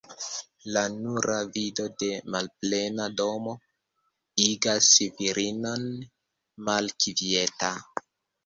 La nura vido de malplena domo igas virinon malkvieta.